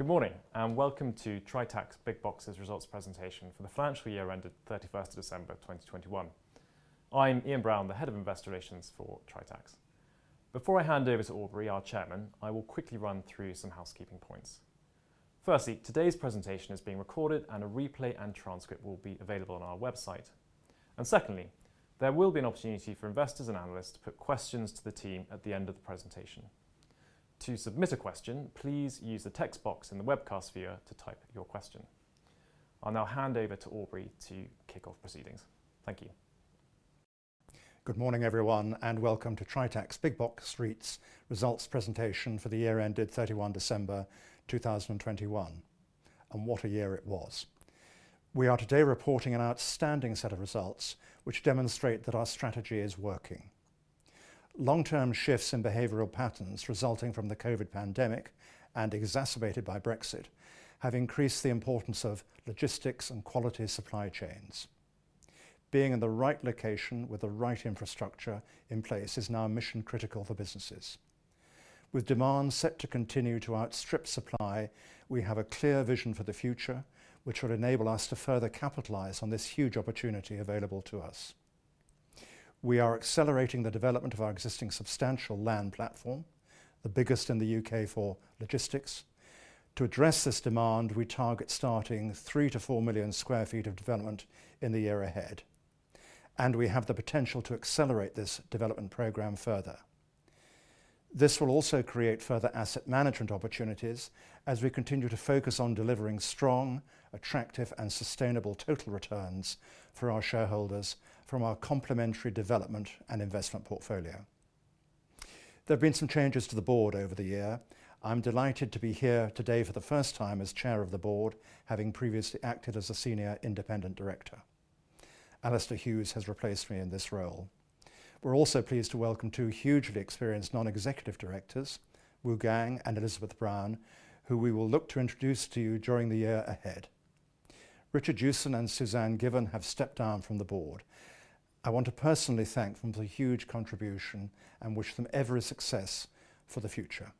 Good morning, and welcome to Tritax Big Box's Results Presentation for the financial year ended 31st December 2021. I'm Ian Brown, the Head of Investor Relations for Tritax. Before I hand over to Aubrey Adams, our Chairman, I will quickly run through some housekeeping points. Firstly, today's presentation is being recorded, and a replay and transcript will be available on our website. Secondly, there will be an opportunity for investors and analysts to put questions to the team at the end of the presentation. To submit a question, please use the text box in the webcast viewer to type your question. I'll now hand over to Aubrey Adams to kick off proceedings. Thank you. Good morning, everyone, and welcome to Tritax Big Box REIT's Results Presentation for the year ended 31 December 2021. What a year it was. We are today reporting an outstanding set of results which demonstrate that our strategy is working. Long-term shifts in behavioral patterns resulting from the COVID pandemic and exacerbated by Brexit have increased the importance of logistics and quality supply chains. Being in the right location with the right infrastructure in place is now mission-critical for businesses. With demand set to continue to outstrip supply, we have a clear vision for the future, which will enable us to further capitalize on this huge opportunity available to us. We are accelerating the development of our existing substantial land platform, the biggest in the U.K. for logistics. To address this demand, we target starting 3 million-4 million sq ft of development in the year ahead, and we have the potential to accelerate this development program further. This will also create further asset management opportunities as we continue to focus on delivering strong, attractive, and sustainable total returns for our shareholders from our complementary development and investment portfolio. There have been some changes to the board over the year. I'm delighted to be here today for the first time as chair of the board, having previously acted as a senior independent director. Alastair Hughes has replaced me in this role. We're also pleased to welcome two hugely experienced non-executive directors, Wu Gang and Elizabeth Brown, who we will look to introduce to you during the year ahead. Richard Jewson and Susanne Given have stepped down from the board. I want to personally thank them for the huge contribution and wish them every success for the future.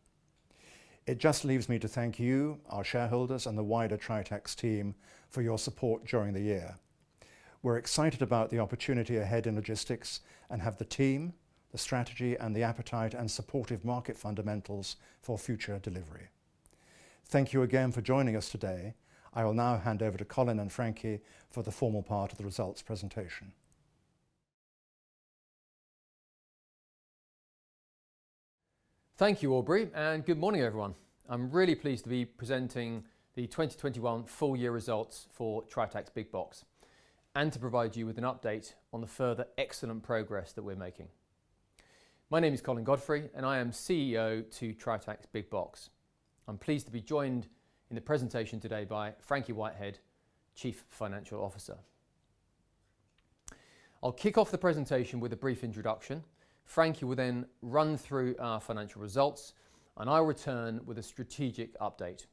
It just leaves me to thank you, our shareholders and the wider Tritax team, for your support during the year. We're excited about the opportunity ahead in logistics and have the team, the strategy, and the appetite and supportive market fundamentals for future delivery. Thank you again for joining us today. I will now hand over to Colin and Frankie for the formal part of the results presentation. Thank you, Aubrey, and good morning, everyone. I'm really pleased to be presenting the 2021 full year results for Tritax Big Box and to provide you with an update on the further excellent progress that we're making. My name is Colin Godfrey, and I am CEO of Tritax Big Box. I'm pleased to be joined in the presentation today by Frankie Whitehead, Chief Financial Officer. I'll kick off the presentation with a brief introduction. Frankie will then run through our financial results, and I'll return with a strategic update.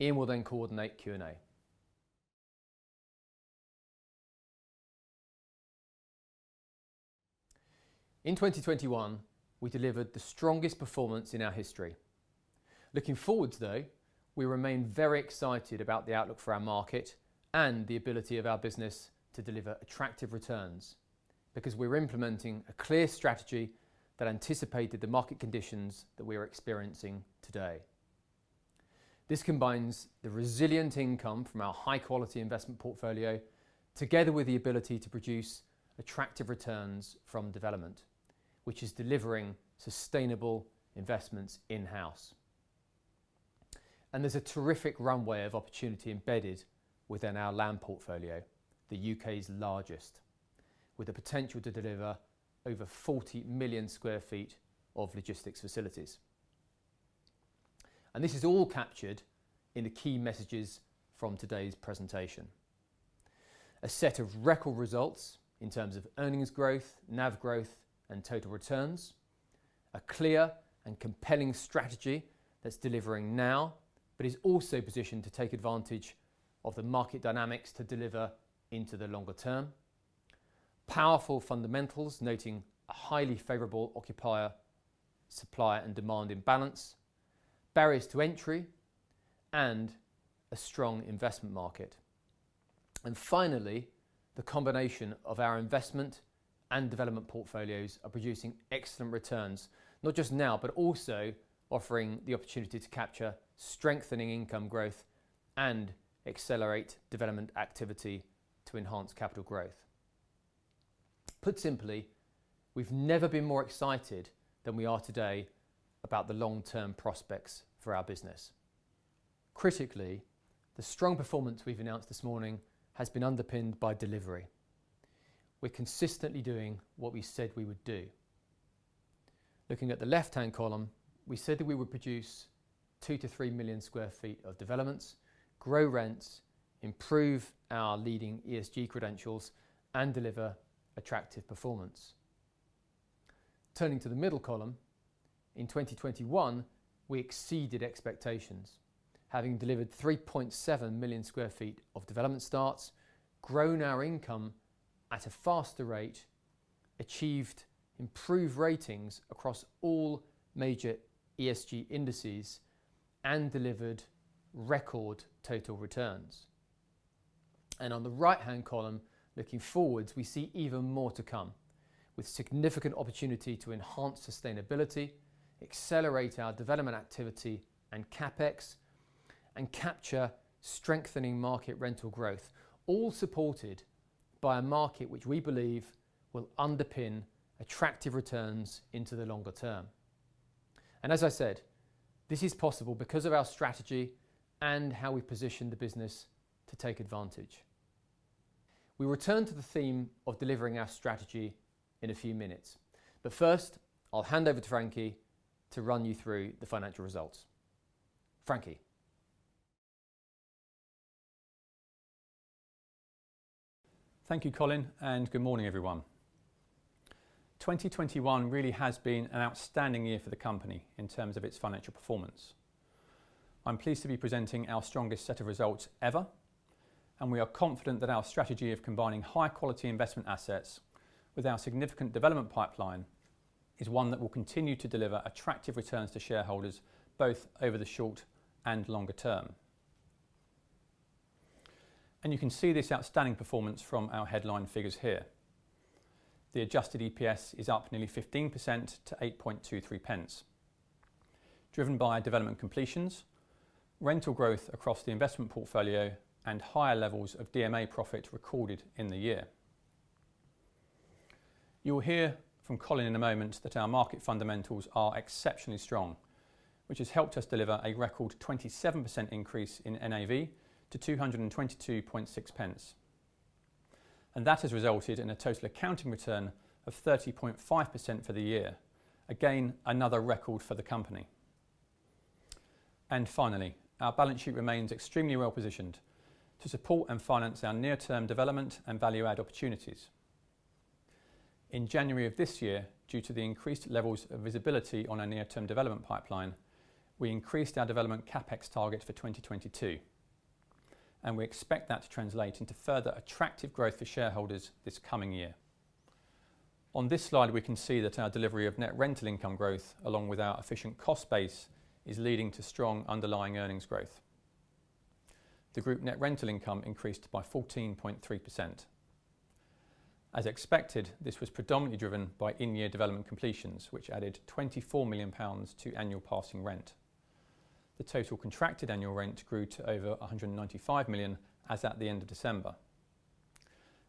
Ian will then coordinate Q&A. In 2021, we delivered the strongest performance in our history. Looking forwards, though, we remain very excited about the outlook for our market and the ability of our business to deliver attractive returns because we're implementing a clear strategy that anticipated the market conditions that we are experiencing today. This combines the resilient income from our high-quality investment portfolio together with the ability to produce attractive returns from development, which is delivering sustainable investments in-house. There's a terrific runway of opportunity embedded within our land portfolio, the U.K.'s largest, with the potential to deliver over 40 million sq ft of logistics facilities. This is all captured in the key messages from today's presentation. A set of record results in terms of earnings growth, NAV growth, and total returns. A clear and compelling strategy that's delivering now but is also positioned to take advantage of the market dynamics to deliver into the longer term. Powerful fundamentals, noting a highly favorable occupier, supply and demand imbalance, barriers to entry, and a strong investment market. Finally, the combination of our investment and development portfolios are producing excellent returns, not just now, but also offering the opportunity to capture strengthening income growth and accelerate development activity to enhance capital growth. Put simply, we've never been more excited than we are today about the long-term prospects for our business. Critically, the strong performance we've announced this morning has been underpinned by delivery. We're consistently doing what we said we would do. Looking at the left-hand column, we said that we would produce 2 million-3 million sq ft of developments, grow rents, improve our leading ESG credentials, and deliver attractive performance. Turning to the middle column, in 2021, we exceeded expectations, having delivered 3.7 million sq ft of development starts, grown our income at a faster rate. Achieved improved ratings across all major ESG indices and delivered record total returns. On the right-hand column, looking forward, we see even more to come, with significant opportunity to enhance sustainability, accelerate our development activity and CapEx, and capture strengthening market rental growth, all supported by a market which we believe will underpin attractive returns into the longer term. As I said, this is possible because of our strategy and how we position the business to take advantage. We return to the theme of delivering our strategy in a few minutes. First, I'll hand over to Frankie to run you through the financial results. Frankie. Thank you, Colin, and good morning, everyone. 2021 really has been an outstanding year for the company in terms of its financial performance. I'm pleased to be presenting our strongest set of results ever, and we are confident that our strategy of combining high-quality investment assets with our significant development pipeline is one that will continue to deliver attractive returns to shareholders, both over the short and longer term. You can see this outstanding performance from our headline figures here. The adjusted EPS is up nearly 15% to 8.23 pence, driven by development completions, rental growth across the investment portfolio, and higher levels of DMA profit recorded in the year. You will hear from Colin in a moment that our market fundamentals are exceptionally strong, which has helped us deliver a record 27% increase in NAV to 222.6. That has resulted in a total accounting return of 30.5% for the year. Again, another record for the company. Finally, our balance sheet remains extremely well positioned to support and finance our near-term development and value-add opportunities. In January of this year, due to the increased levels of visibility on our near-term development pipeline, we increased our development CapEx target for 2022, and we expect that to translate into further attractive growth for shareholders this coming year. On this slide, we can see that our delivery of net rental income growth, along with our efficient cost base, is leading to strong underlying earnings growth. The group net rental income increased by 14.3%. As expected, this was predominantly driven by in-year development completions, which added 24 million pounds to annual passing rent. The total contracted annual rent grew to over 195 million as at the end of December.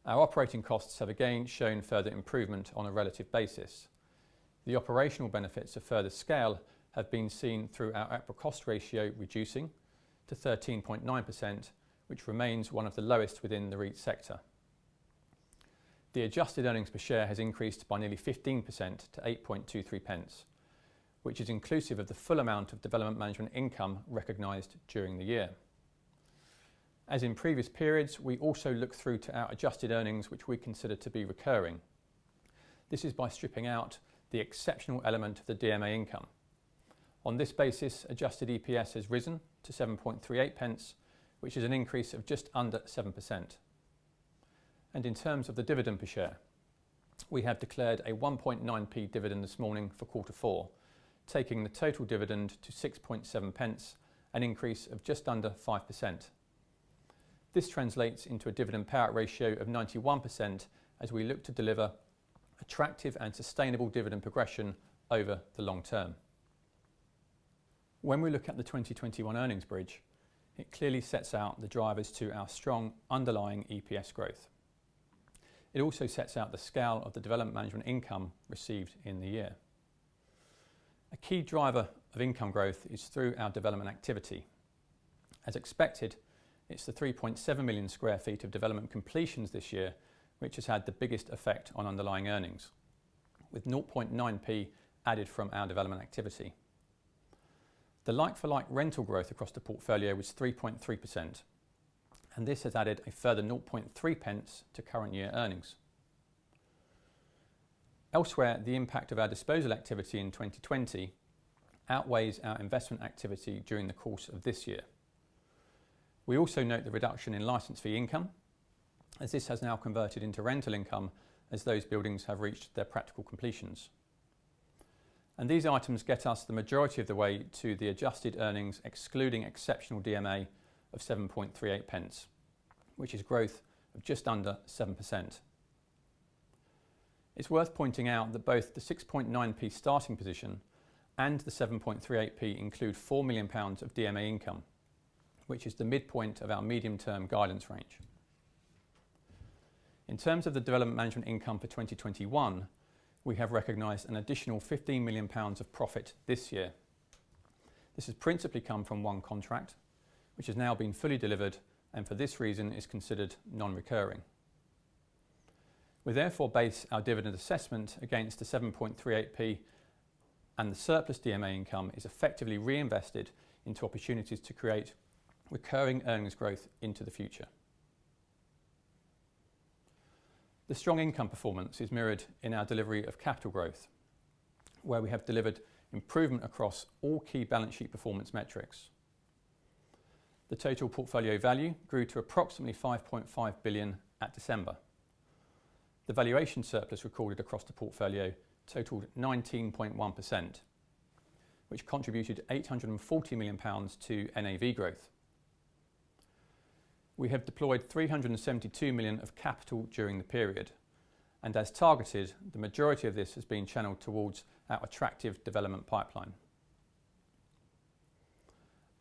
Our operating costs have again shown further improvement on a relative basis. The operational benefits of further scale have been seen through our EPRA cost ratio reducing to 13.9%, which remains one of the lowest within the REIT sector. The adjusted earnings per share has increased by nearly 15% to 8.23, which is inclusive of the full amount of development management income recognized during the year. As in previous periods, we also look through to our adjusted earnings, which we consider to be recurring. This is by stripping out the exceptional element of the DMA income. On this basis, adjusted EPS has risen to 7.38, which is an increase of just under 7%. In terms of the dividend per share, we have declared a 1.9 dividend this morning for quarter four, taking the total dividend to 6.7, an increase of just under 5%. This translates into a dividend payout ratio of 91% as we look to deliver attractive and sustainable dividend progression over the long term. When we look at the 2021 earnings bridge, it clearly sets out the drivers to our strong underlying EPS growth. It also sets out the scale of the development management income received in the year. A key driver of income growth is through our development activity. As expected, it's the 3.7 million sq ft of development completions this year which has had the biggest effect on underlying earnings, with 0.9 added from our development activity. The like-for-like rental growth across the portfolio was 3.3%, and this has added a further 0.3 to current year earnings. Elsewhere, the impact of our disposal activity in 2020 outweighs our investment activity during the course of this year. We also note the reduction in license fee income, as this has now converted into rental income as those buildings have reached their practical completions. These items get us the majority of the way to the adjusted earnings, excluding exceptional DMA of 7.38, which is growth of just under 7%. It's worth pointing out that both the 6.9 starting position and the 7.38 include 4 million pounds of DMA income, which is the midpoint of our medium-term guidance range. In terms of the development management income for 2021, we have recognized an additional 15 million pounds of profit this year. This has principally come from one contract, which has now been fully delivered and for this reason is considered non-recurring. We therefore base our dividend assessment against the 7.38, and the surplus DMA income is effectively reinvested into opportunities to create recurring earnings growth into the future. The strong income performance is mirrored in our delivery of capital growth, where we have delivered improvement across all key balance sheet performance metrics. The total portfolio value grew to approximately 5.5 billion at December. The valuation surplus recorded across the portfolio totaled 19.1%, which contributed 840 million pounds to NAV growth. We have deployed 372 million of capital during the period, and as targeted, the majority of this has been channeled towards our attractive development pipeline.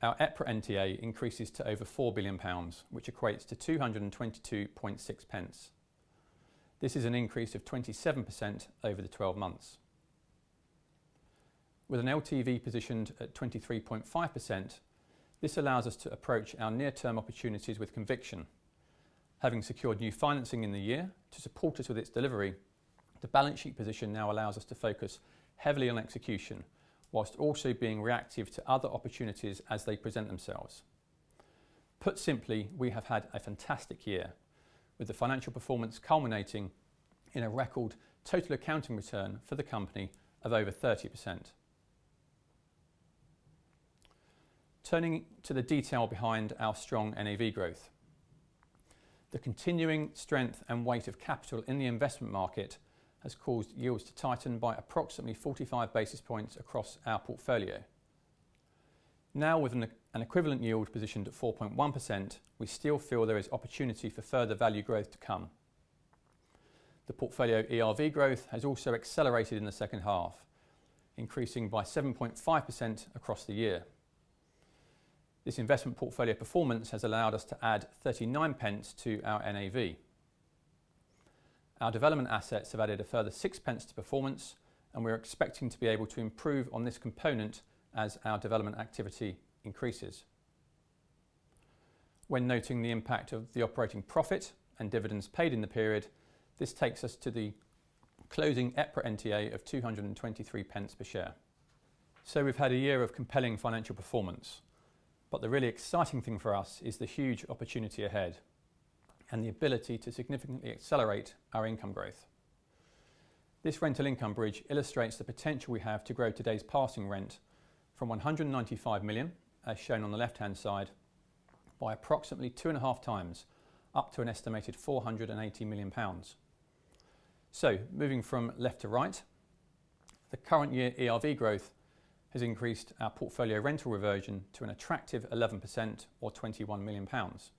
Our EPRA NTA increases to over 4 billion pounds, which equates to 222.6. This is an increase of 27% over the 12 months. With an LTV positioned at 23.5%, this allows us to approach our near-term opportunities with conviction. Having secured new financing in the year to support us with its delivery, the balance sheet position now allows us to focus heavily on execution, whilst also being reactive to other opportunities as they present themselves. Put simply, we have had a fantastic year, with the financial performance culminating in a record total accounting return for the company of over 30%. Turning to the detail behind our strong NAV growth. The continuing strength and weight of capital in the investment market has caused yields to tighten by approximately 45 basis points across our portfolio. Now, with an equivalent yield positioned at 4.1%, we still feel there is opportunity for further value growth to come. The portfolio ERV growth has also accelerated in the second half, increasing by 7.5% across the year. This investment portfolio performance has allowed us to add 39 to our NAV. Our development assets have added a further six pence to performance, and we are expecting to be able to improve on this component as our development activity increases. When noting the impact of the operating profit and dividends paid in the period, this takes us to the closing EPRA NTA of 223 per share. We've had a year of compelling financial performance, but the really exciting thing for us is the huge opportunity ahead and the ability to significantly accelerate our income growth. This rental income bridge illustrates the potential we have to grow today's passing rent from 195 million, as shown on the left-hand side, by approximately 2.5 times up to an estimated 480 million pounds. Moving from left to right, the current year ERV growth has increased our portfolio rental reversion to an attractive 11% or 21 million pounds.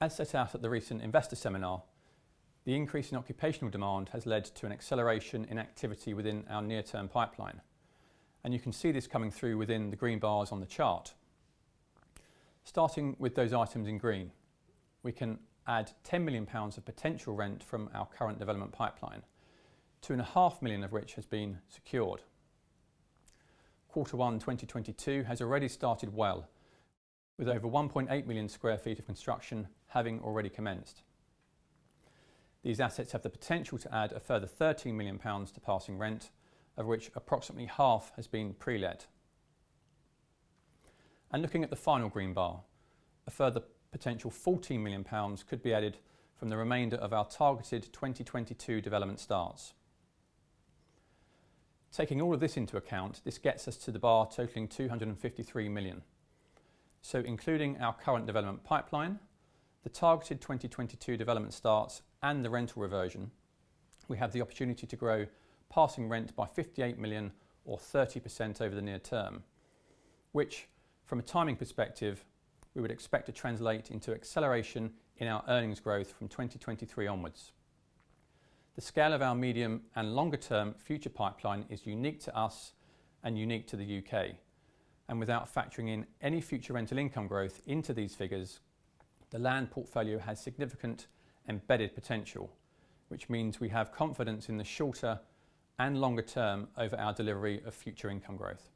As set out at the recent investor seminar, the increase in occupational demand has led to an acceleration in activity within our near-term pipeline. You can see this coming through within the green bars on the chart. Starting with those items in green, we can add 10 million pounds of potential rent from our current development pipeline, 2.5 million of which has been secured. Quarter one 2022 has already started well, with over 1.8 million sq ft of construction having already commenced. These assets have the potential to add a further 13 million pounds to passing rent, of which approximately half has been pre-let. Looking at the final green bar, a further potential 14 million pounds could be added from the remainder of our targeted 2022 development starts. Taking all of this into account, this gets us to the bar totaling 253 million. Including our current development pipeline, the targeted 2022 development starts, and the rental reversion, we have the opportunity to grow passing rent by 58 million or 30% over the near term, which from a timing perspective, we would expect to translate into acceleration in our earnings growth from 2023 onwards. The scale of our medium and longer-term future pipeline is unique to us and unique to the U.K. Without factoring in any future rental income growth into these figures, the land portfolio has significant embedded potential, which means we have confidence in the shorter and longer term over our delivery of future income growth.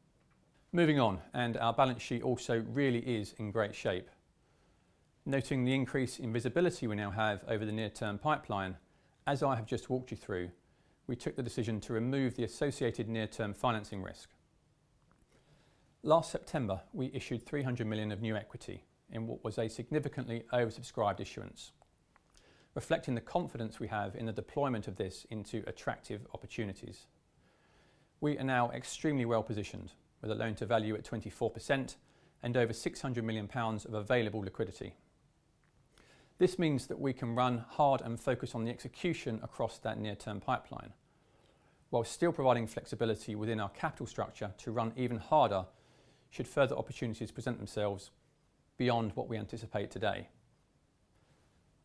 Moving on, our balance sheet also really is in great shape. Noting the increase in visibility we now have over the near-term pipeline, as I have just walked you through, we took the decision to remove the associated near-term financing risk. Last September, we issued 300 million of new equity in what was a significantly oversubscribed issuance, reflecting the confidence we have in the deployment of this into attractive opportunities. We are now extremely well-positioned, with a loan-to-value at 24% and over 600 million pounds of available liquidity. This means that we can run hard and focus on the execution across that near-term pipeline, while still providing flexibility within our capital structure to run even harder should further opportunities present themselves beyond what we anticipate today.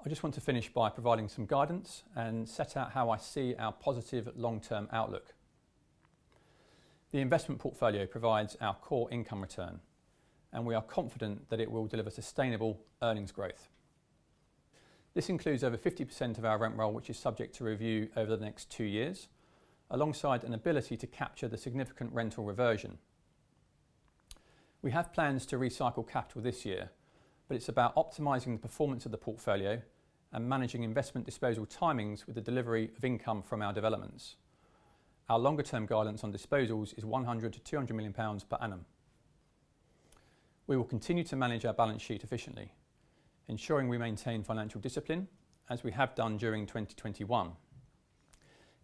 I just want to finish by providing some guidance and set out how I see our positive long-term outlook. The investment portfolio provides our core income return, and we are confident that it will deliver sustainable earnings growth. This includes over 50% of our rent roll, which is subject to review over the next two years, alongside an ability to capture the significant rental reversion. We have plans to recycle capital this year, but it's about optimizing the performance of the portfolio and managing investment disposal timings with the delivery of income from our developments. Our longer-term guidance on disposals is 100 million-200 million pounds per annum. We will continue to manage our balance sheet efficiently, ensuring we maintain financial discipline as we have done during 2021.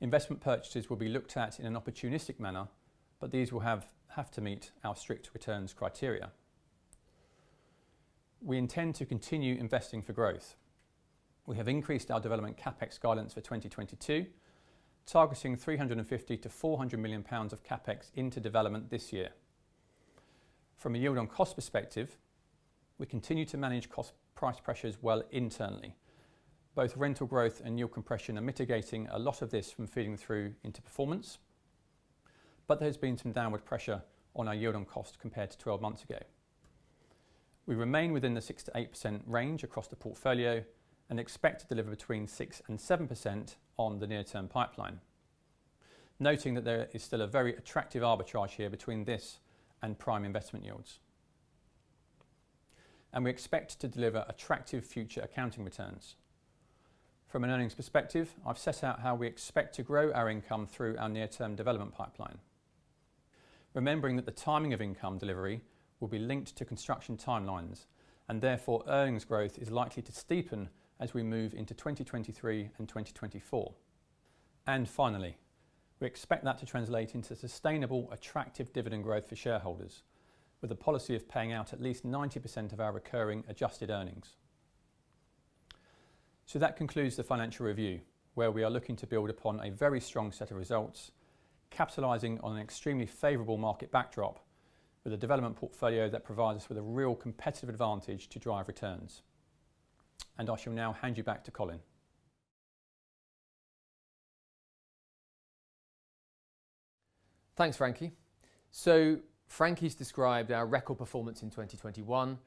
Investment purchases will be looked at in an opportunistic manner, but these will have to meet our strict returns criteria. We intend to continue investing for growth. We have increased our development CapEx guidance for 2022, targeting 350 million-400 million pounds of CapEx into development this year. From a yield on cost perspective, we continue to manage cost price pressures well internally. Both rental growth and yield compression are mitigating a lot of this from feeding through into performance. But there's been some downward pressure on our yield on cost compared to 12 months ago. We remain within the 6%-8% range across the portfolio and expect to deliver between 6% and 7% on the near-term pipeline. Noting that there is still a very attractive arbitrage here between this and prime investment yields. We expect to deliver attractive future accounting returns. From an earnings perspective, I've set out how we expect to grow our income through our near-term development pipeline. Remembering that the timing of income delivery will be linked to construction timelines and therefore, earnings growth is likely to steepen as we move into 2023 and 2024. Finally, we expect that to translate into sustainable, attractive dividend growth for shareholders, with a policy of paying out at least 90% of our recurring adjusted earnings. That concludes the financial review, where we are looking to build upon a very strong set of results, capitalizing on an extremely favorable market backdrop with a development portfolio that provides us with a real competitive advantage to drive returns. I shall now hand you back to Colin. Thanks, Frankie. Frankie's described our record performance in 2021,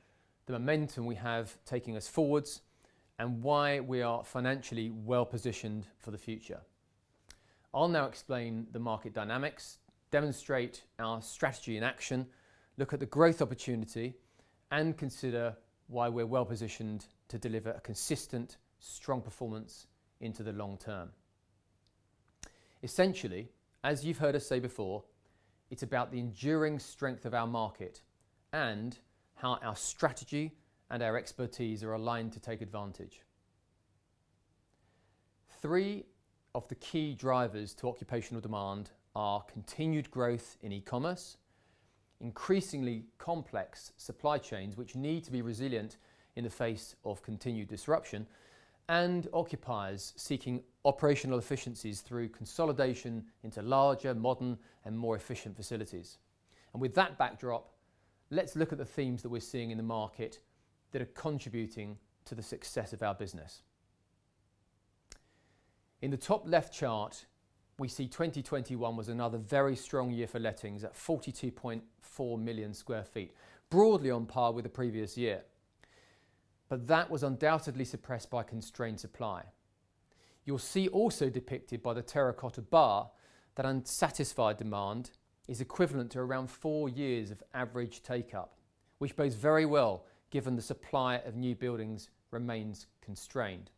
the momentum we have taking us forward, and why we are financially well-positioned for the future. I'll now explain the market dynamics, demonstrate our strategy in action, look at the growth opportunity, and consider why we're well-positioned to deliver a consistent, strong performance into the long term. Essentially, as you've heard us say before, it's about the enduring strength of our market and how our strategy and our expertise are aligned to take advantage. Three of the key drivers to occupational demand are continued growth in e-commerce, increasingly complex supply chains which need to be resilient in the face of continued disruption, and occupiers seeking operational efficiencies through consolidation into larger, modern, and more efficient facilities. With that backdrop, let's look at the themes that we're seeing in the market that are contributing to the success of our business. In the top left chart, we see 2021 was another very strong year for lettings at 42.4 million sq ft, broadly on par with the previous year. That was undoubtedly suppressed by constrained supply. You'll see also depicted by the terracotta bar that unsatisfied demand is equivalent to around four years of average take-up, which bodes very well given the supply of new buildings remains constrained.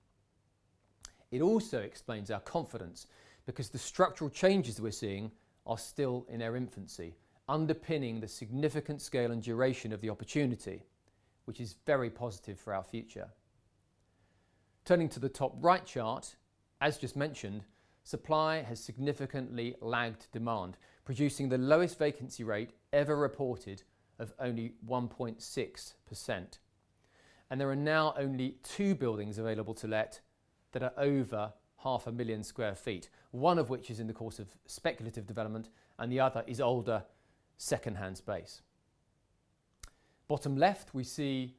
It also explains our confidence because the structural changes we're seeing are still in their infancy, underpinning the significant scale and duration of the opportunity, which is very positive for our future. Turning to the top right chart, as just mentioned, supply has significantly lagged demand, producing the lowest vacancy rate ever reported of only 1.6%. There are now only two buildings available to let that are over half a million sq ft, one of which is in the course of speculative development, and the other is older, second-hand space. Bottom left, we see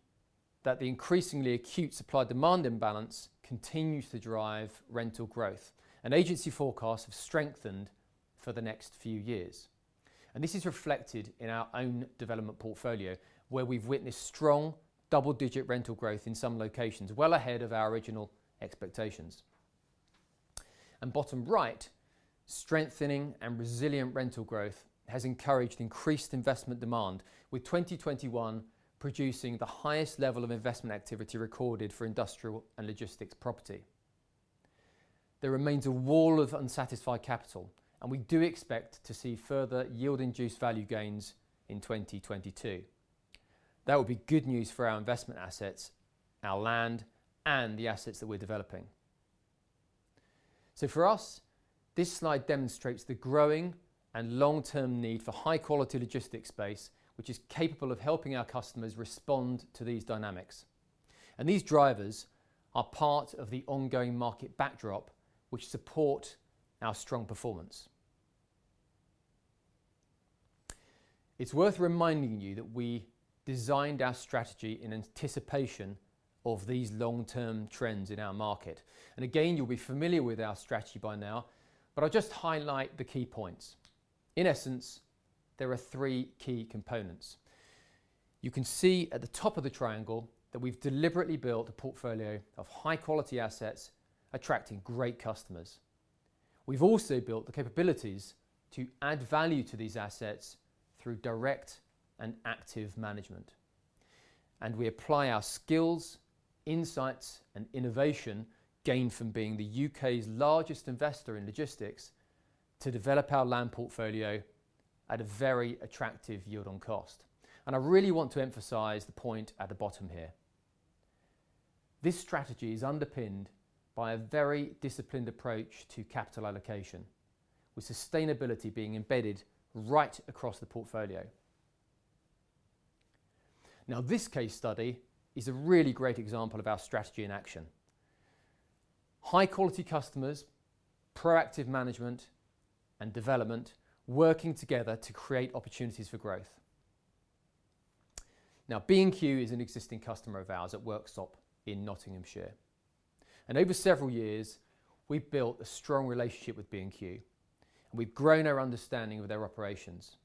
that the increasingly acute supply-demand imbalance continues to drive rental growth, and agency forecasts have strengthened for the next few years. This is reflected in our own development portfolio, where we've witnessed strong double-digit rental growth in some locations, well ahead of our original expectations. Bottom right, strengthening and resilient rental growth has encouraged increased investment demand, with 2021 producing the highest level of investment activity recorded for industrial and logistics property. There remains a wall of unsatisfied capital, and we do expect to see further yield-induced value gains in 2022. That will be good news for our investment assets, our land, and the assets that we're developing. For us, this slide demonstrates the growing and long-term need for high-quality logistics space, which is capable of helping our customers respond to these dynamics. These drivers are part of the ongoing market backdrop which support our strong performance. It's worth reminding you that we designed our strategy in anticipation of these long-term trends in our market. Again, you'll be familiar with our strategy by now, but I'll just highlight the key points. In essence, there are three key components. You can see at the top of the triangle that we've deliberately built a portfolio of high-quality assets attracting great customers. We've also built the capabilities to add value to these assets through direct and active management. We apply our skills, insights, and innovation gained from being the U.K.'s largest investor in logistics to develop our land portfolio at a very attractive yield on cost. I really want to emphasize the point at the bottom here. This strategy is underpinned by a very disciplined approach to capital allocation, with sustainability being embedded right across the portfolio. Now, this case study is a really great example of our strategy in action. High-quality customers, proactive management, and development working together to create opportunities for growth. Now, B&Q is an existing customer of ours at Worksop in Nottinghamshire, and over several years, we've built a strong relationship with B&Q, and we've grown our understanding of their operations.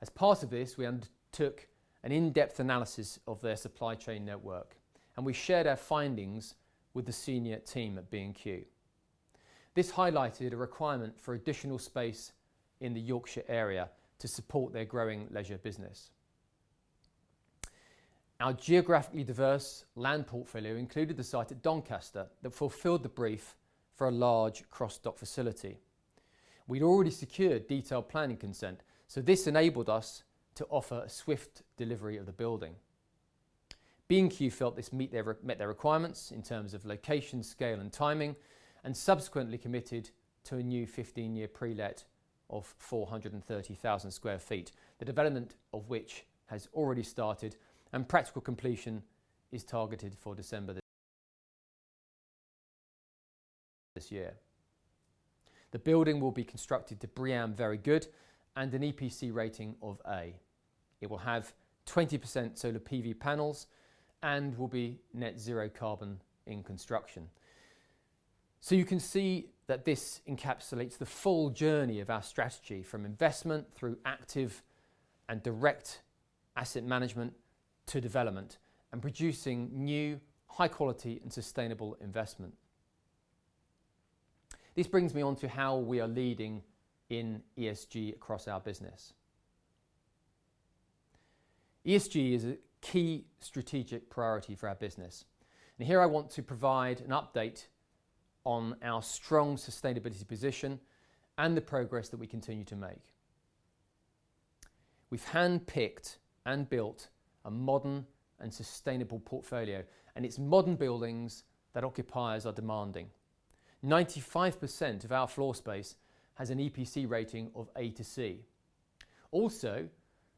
As part of this, we undertook an in-depth analysis of their supply chain network, and we shared our findings with the senior team at B&Q. This highlighted a requirement for additional space in the Yorkshire area to support their growing leisure business. Our geographically diverse land portfolio included the site at Doncaster that fulfilled the brief for a large cross-dock facility. We'd already secured detailed planning consent, so this enabled us to offer a swift delivery of the building. B&Q felt this met their requirements in terms of location, scale, and timing, and subsequently committed to a new 15-year pre-let of 430,000 sq ft, the development of which has already started, and practical completion is targeted for December this year. The building will be constructed to BREEAM Very Good and an EPC rating of A. It will have 20% solar PV panels and will be net zero carbon in construction. You can see that this encapsulates the full journey of our strategy from investment through active and direct asset management to development and producing new high quality and sustainable investment. This brings me on to how we are leading in ESG across our business. ESG is a key strategic priority for our business, and here I want to provide an update on our strong sustainability position and the progress that we continue to make. We've handpicked and built a modern and sustainable portfolio, and it's modern buildings that occupiers are demanding. 95% of our floor space has an EPC rating of A to C. Also,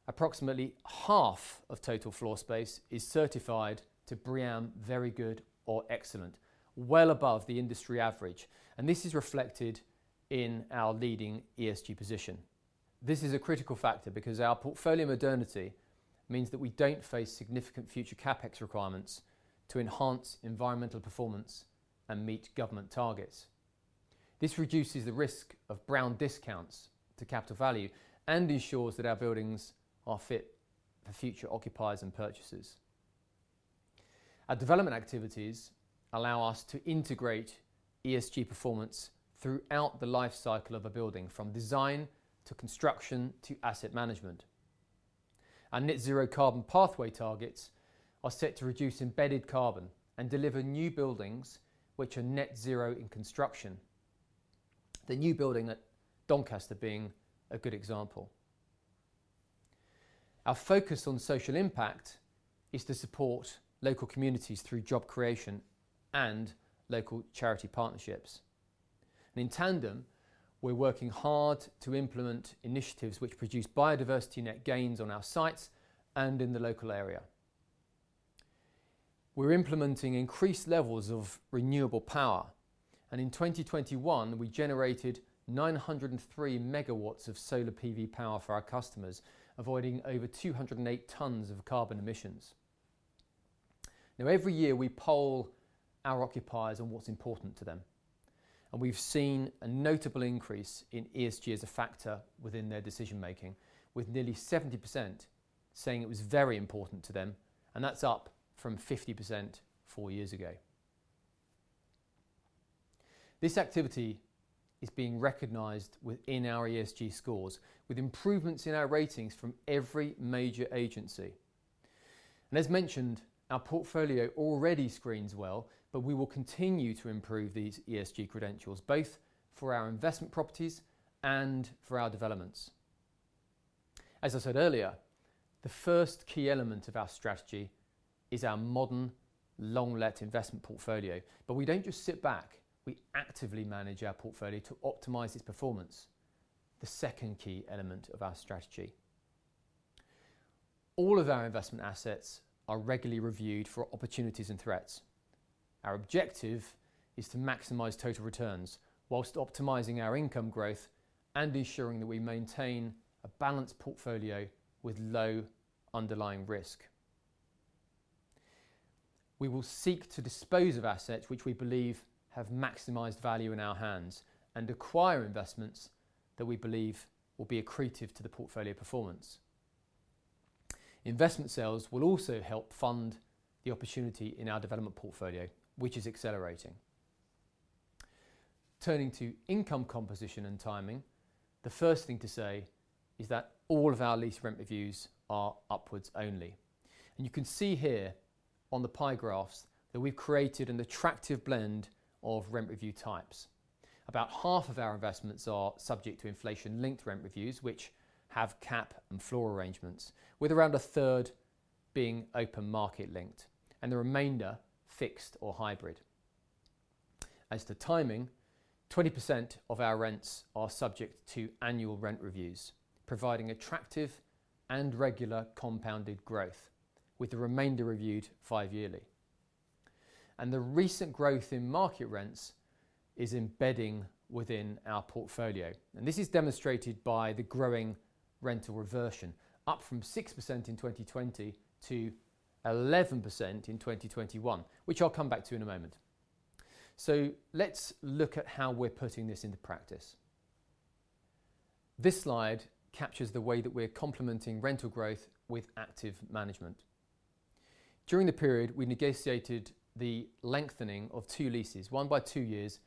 approximately half of total floor space is certified to BREEAM Very Good or Excellent, well above the industry average, and this is reflected in our leading ESG position. This is a critical factor because our portfolio modernity means that we don't face significant future CapEx requirements to enhance environmental performance and meet government targets. This reduces the risk of brown discounts to capital value and ensures that our buildings are fit for future occupiers and purchasers. Our development activities allow us to integrate ESG performance throughout the lifecycle of a building, from design to construction to asset management. Our net zero carbon pathway targets are set to reduce embedded carbon and deliver new buildings which are net zero in construction, the new building at Doncaster being a good example. Our focus on social impact is to support local communities through job creation and local charity partnerships. In tandem, we're working hard to implement initiatives which produce biodiversity net gains on our sites and in the local area. We're implementing increased levels of renewable power, and in 2021, we generated 903 MW of solar PV power for our customers, avoiding over 208 tons of carbon emissions. Now, every year we poll our occupiers on what's important to them, and we've seen a notable increase in ESG as a factor within their decision-making, with nearly 70% saying it was very important to them, and that's up from 50% four years ago. This activity is being recognized within our ESG scores, with improvements in our ratings from every major agency. As mentioned, our portfolio already screens well, but we will continue to improve these ESG credentials, both for our investment properties and for our developments. As I said earlier, the first key element of our strategy is our modern long-let investment portfolio. We don't just sit back. We actively manage our portfolio to optimize its performance, the second key element of our strategy. All of our investment assets are regularly reviewed for opportunities and threats. Our objective is to maximize total returns while optimizing our income growth and ensuring that we maintain a balanced portfolio with low underlying risk. We will seek to dispose of assets which we believe have maximized value in our hands and acquire investments that we believe will be accretive to the portfolio performance. Investment sales will also help fund the opportunity in our development portfolio, which is accelerating. Turning to income composition and timing, the first thing to say is that all of our lease rent reviews are upwards only. You can see here on the pie graphs that we've created an attractive blend of rent review types. About half of our investments are subject to inflation-linked rent reviews, which have cap and floor arrangements, with around a third being open market-linked and the remainder fixed or hybrid. As to timing, 20% of our rents are subject to annual rent reviews, providing attractive and regular compounded growth, with the remainder reviewed five-yearly. The recent growth in market rents is embedding within our portfolio, and this is demonstrated by the growing rental reversion, up from 6% in 2020 to 11% in 2021, which I'll come back to in a moment. Let's look at how we're putting this into practice. This slide captures the way that we're complementing rental growth with active management. During the period, we negotiated the lengthening of two leases, one by two years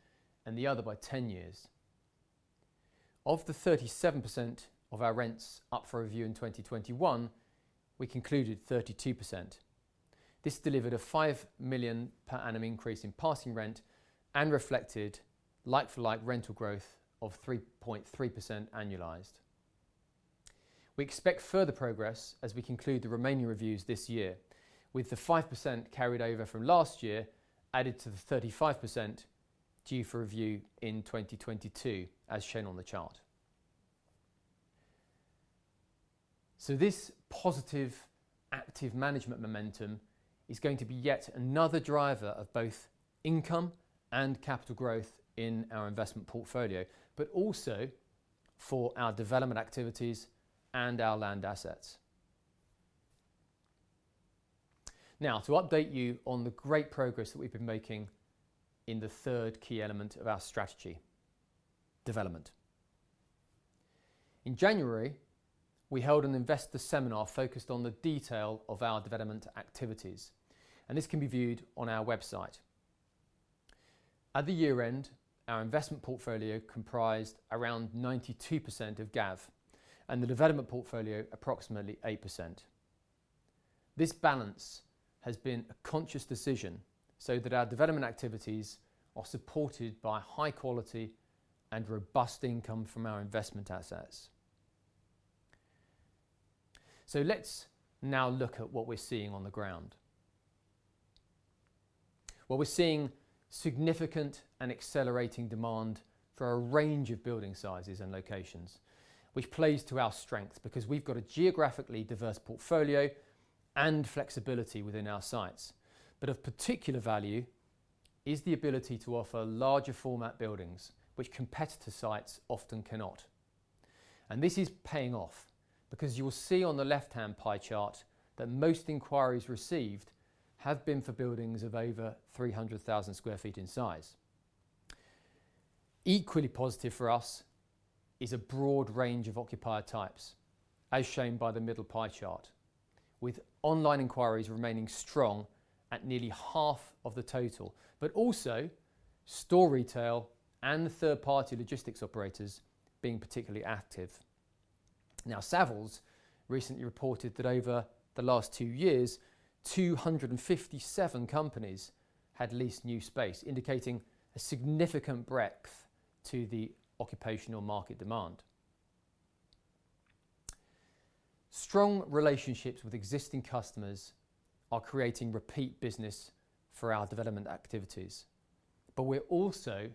and the other by 10 years. Of the 37% of our rents up for review in 2021, we concluded 32%. This delivered a 5 million per annum increase in passing rent and reflected like-for-like rental growth of 3.3% annualized. We expect further progress as we conclude the remaining reviews this year, with the 5% carried over from last year added to the 35% due for review in 2022, as shown on the chart. This positive active management momentum is going to be yet another driver of both income and capital growth in our investment portfolio, but also for our development activities and our land assets. Now, to update you on the great progress that we've been making in the third key element of our strategy, development. In January, we held an investor seminar focused on the detail of our development activities, and this can be viewed on our website. At the year-end, our investment portfolio comprised around 92% of GAV and the development portfolio approximately 8%. This balance has been a conscious decision so that our development activities are supported by high quality and robust income from our investment assets. Let's now look at what we're seeing on the ground. Well, we're seeing significant and accelerating demand for a range of building sizes and locations, which plays to our strength because we've got a geographically diverse portfolio and flexibility within our sites. But of particular value is the ability to offer larger format buildings which competitor sites often cannot. This is paying off because you will see on the left-hand pie chart that most inquiries received have been for buildings of over 300,000 sq ft in size. Equally positive for us is a broad range of occupier types, as shown by the middle pie chart, with online inquiries remaining strong at nearly half of the total, but also store retail and third-party logistics operators being particularly active. Now, Savills recently reported that over the last two years, 257 companies had leased new space, indicating a significant breadth to the occupational market demand. Strong relationships with existing customers are creating repeat business for our development activities, but we're also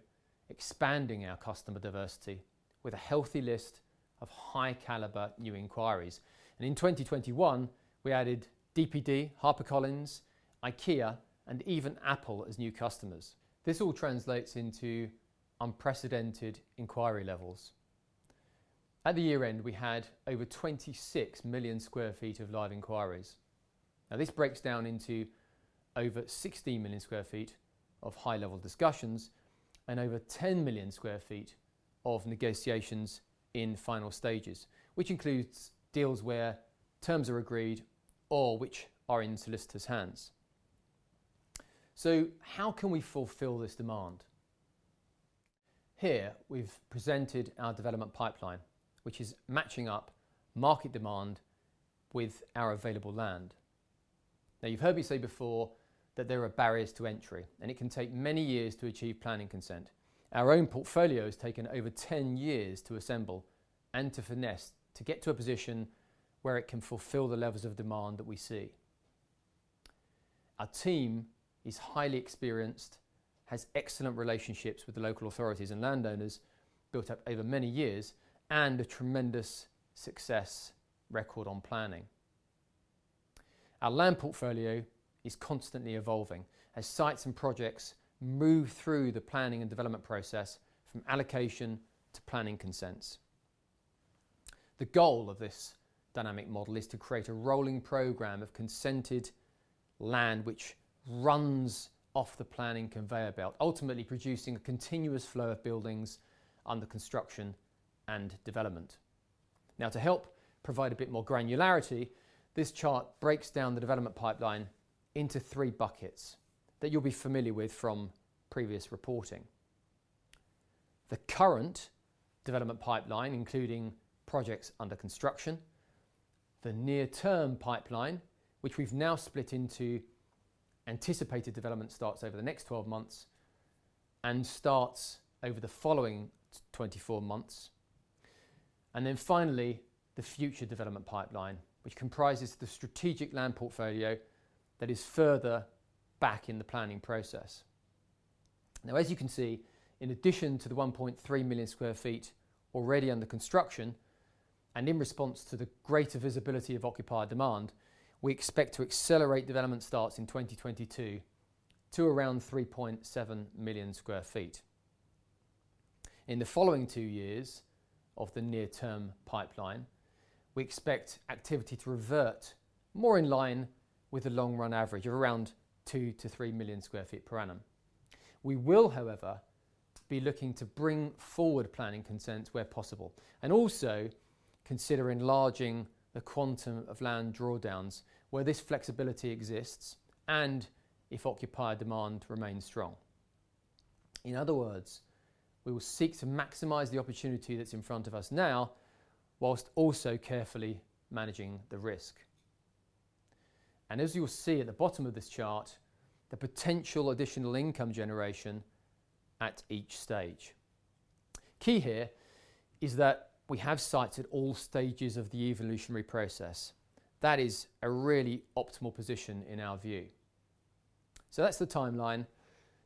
expanding our customer diversity with a healthy list of high caliber new inquiries. In 2021, we added DPD, HarperCollins, IKEA, and even Apple as new customers. This all translates into unprecedented inquiry levels. At the year-end, we had over 26 million sq ft of live inquiries. Now, this breaks down into over 16 million sq ft of high-level discussions and over 10 million sq ft of negotiations in final stages, which includes deals where terms are agreed or which are in solicitor's hands. How can we fulfill this demand? Here, we've presented our development pipeline, which is matching up market demand with our available land. Now, you've heard me say before that there are barriers to entry, and it can take many years to achieve planning consent. Our own portfolio has taken over 10 years to assemble and to finesse to get to a position where it can fulfill the levels of demand that we see. Our team is highly experienced, has excellent relationships with the local authorities and landowners built up over many years, and a tremendous success record on planning. Our land portfolio is constantly evolving as sites and projects move through the planning and development process from allocation to planning consents. The goal of this dynamic model is to create a rolling program of consented land which runs off the planning conveyor belt, ultimately producing a continuous flow of buildings under construction and development. Now, to help provide a bit more granularity, this chart breaks down the development pipeline into three buckets that you'll be familiar with from previous reporting. The current development pipeline, including projects under construction. The near-term pipeline, which we've now split into anticipated development starts over the next 12 months and starts over the following 24 months, and then finally, the future development pipeline, which comprises the strategic land portfolio that is further back in the planning process. Now as you can see, in addition to the 1.3 million sq ft already under construction, and in response to the greater visibility of occupier demand, we expect to accelerate development starts in 2022 to around 3.7 million sq ft. In the following two years of the near-term pipeline, we expect activity to revert more in line with the long-run average of around 2 million-3 million sq ft per annum. We will, however, be looking to bring forward planning consents where possible, and also consider enlarging the quantum of land drawdowns where this flexibility exists and if occupier demand remains strong. In other words, we will seek to maximize the opportunity that's in front of us now, while also carefully managing the risk. As you will see at the bottom of this chart, the potential additional income generation at each stage. Key here is that we have sites at all stages of the evolutionary process. That is a really optimal position in our view. That's the timeline.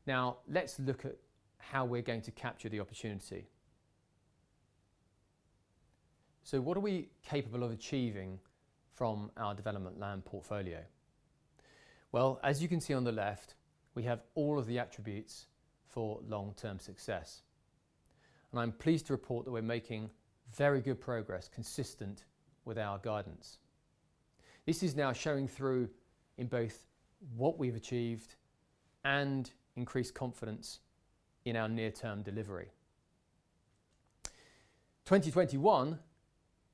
Now, let's look at how we're going to capture the opportunity. What are we capable of achieving from our development land portfolio? Well, as you can see on the left, we have all of the attributes for long-term success, and I'm pleased to report that we're making very good progress consistent with our guidance. This is now showing through in both what we've achieved and increased confidence in our near-term delivery. 2021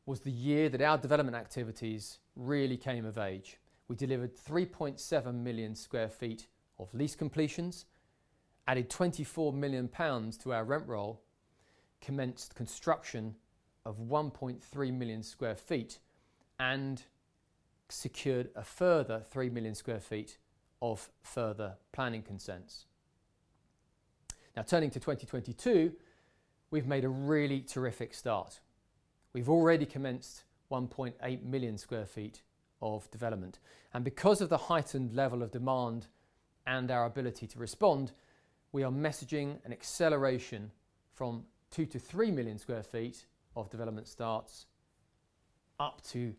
was the year that our development activities really came of age. We delivered 3.7 million sq ft of lease completions, added 24 million pounds to our rent roll, commenced construction of 1.3 million sq ft, and secured a further 3 million sq ft of further planning consents. Now turning to 2022, we've made a really terrific start. We've already commenced 1.8 million sq ft of development, and because of the heightened level of demand and our ability to respond, we are messaging an acceleration from 2 million-3 million sq ft of development starts up to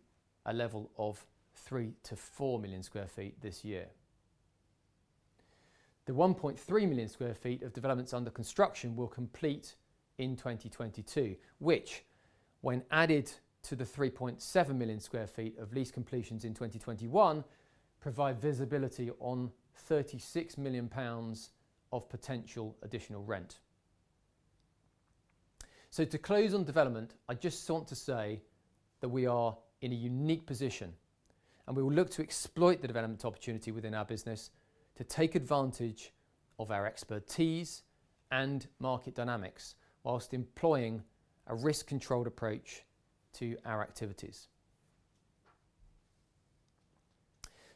a level of 3 million-4 million sq ft this year. The 1.3 million sq ft of developments under construction will complete in 2022, which, when added to the 3.7 million sq ft of lease completions in 2021, provide visibility on 36 million pounds of potential additional rent. To close on development, I just want to say that we are in a unique position, and we will look to exploit the development opportunity within our business to take advantage of our expertise and market dynamics whilst employing a risk-controlled approach to our activities.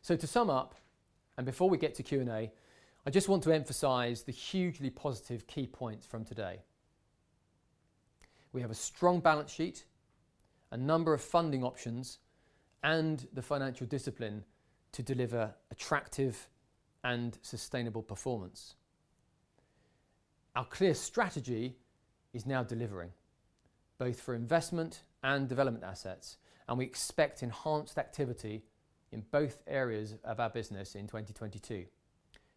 To sum up, and before we get to Q&A, I just want to emphasize the hugely positive key points from today. We have a strong balance sheet, a number of funding options, and the financial discipline to deliver attractive and sustainable performance. Our clear strategy is now delivering, both for investment and development assets, and we expect enhanced activity in both areas of our business in 2022,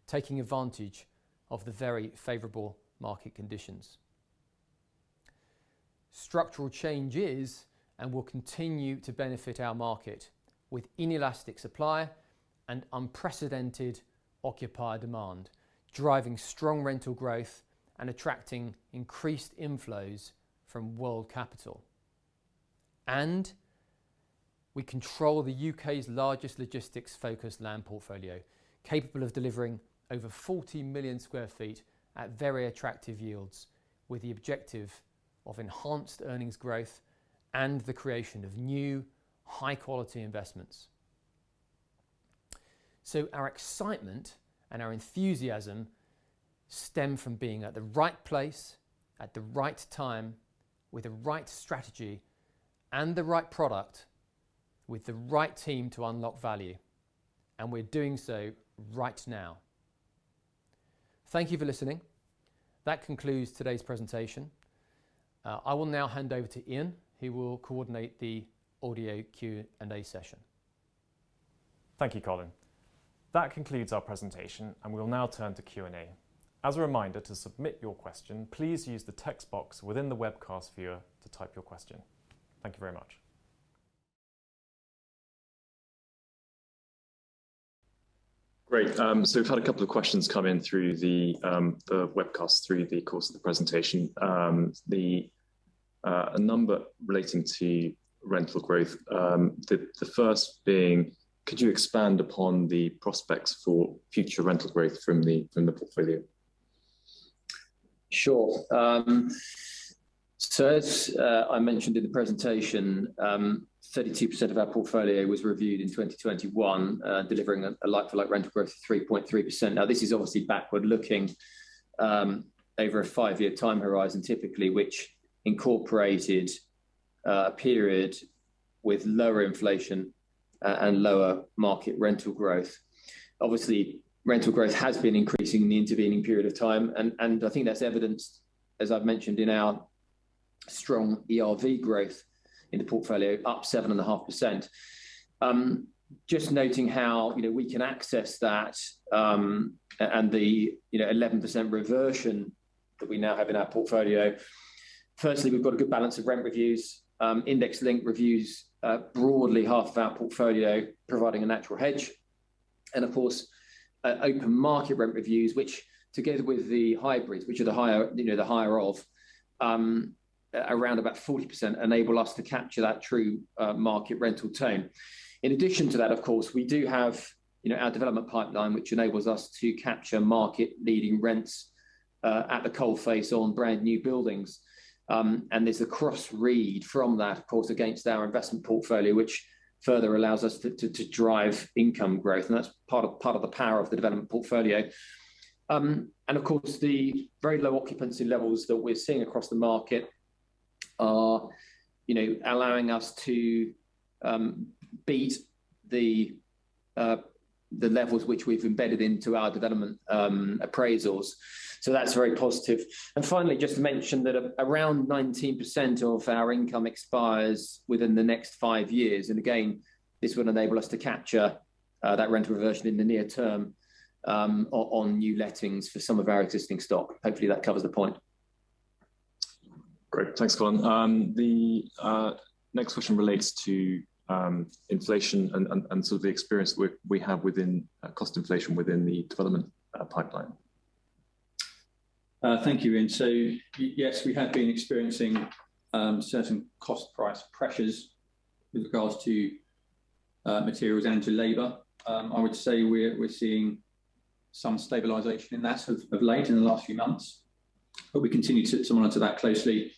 taking advantage of the very favorable market conditions. Structural change is and will continue to benefit our market with inelastic supply and unprecedented occupier demand, driving strong rental growth and attracting increased inflows from world capital. We control the U.K.'s largest logistics-focused land portfolio, capable of delivering over 40 million sq ft at very attractive yields with the objective of enhanced earnings growth and the creation of new high-quality investments. Our excitement and our enthusiasm stem from being at the right place at the right time with the right strategy and the right product with the right team to unlock value, and we're doing so right now. Thank you for listening. That concludes today's presentation. I will now hand over to Ian, who will coordinate the audio Q&A session. Thank you, Colin. That concludes our presentation, and we will now turn to Q&A. As a reminder, to submit your question, please use the text box within the webcast viewer to type your question. Thank you very much. Great. We've had a couple of questions come in through the webcast through the course of the presentation. A number relating to rental growth, the first being, could you expand upon the prospects for future rental growth from the portfolio? Sure. As I mentioned in the presentation, 32% of our portfolio was reviewed in 2021, delivering a like-for-like rental growth of 3.3%. This is obviously backward-looking over a five-year time horizon, typically, which incorporated a period with lower inflation and lower market rental growth. Rental growth has been increasing in the intervening period of time and I think that's evidenced, as I've mentioned, in our strong ERV growth in the portfolio, up 7.5%. Just noting how, you know, we can access that and the, you know, 11% reversion that we now have in our portfolio. Firstly, we've got a good balance of rent reviews, index-linked reviews, broadly half of our portfolio providing a natural hedge. Of course, open market rent reviews, which together with the hybrids, which are the higher, you know, the higher of, around about 40% enable us to capture that true, market rental tone. In addition to that, of course, we do have, you know, our development pipeline, which enables us to capture market-leading rents, at the coalface on brand-new buildings. There's a cross-read from that, of course, against our investment portfolio, which further allows us to drive income growth, and that's part of the power of the development portfolio. Of course, the very low occupancy levels that we're seeing across the market are, you know, allowing us to beat the levels which we've embedded into our development, appraisals. So that's very positive. Finally, just to mention that around 19% of our income expires within the next five years. Again, this will enable us to capture that rent reversion in the near term, on new lettings for some of our existing stock. Hopefully, that covers the point. Great. Thanks, Colin. The next question relates to inflation and sort of the experience we have within cost inflation within the development pipeline. Thank you, Ian. Yes, we have been experiencing certain cost price pressures with regards to materials and to labor. I would say we're seeing some stabilization in that of late in the last few months, but we continue to monitor that closely.